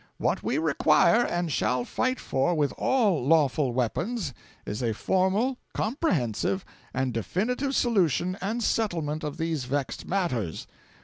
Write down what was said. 'What we require, and shall fight for with all lawful weapons, is a formal, comprehensive, and definitive solution and settlement of these vexed matters.